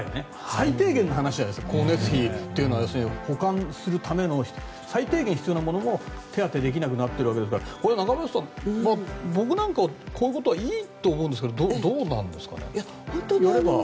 最低限の話じゃない。保管するための最低限必要なもの手当てできなくなっているわけだから中林さん僕なんかはこういうことはいいと思うんですがどうなんですかね。